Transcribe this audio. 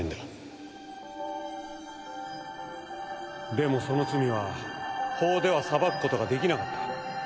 でもその罪は法では裁くことができなかった。